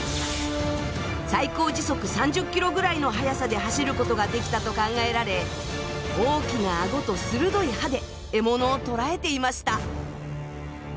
最高時速３０ｋｍぐらいの速さで走ることができたと考えられ大きな顎と鋭い歯で獲物を捕らえていました。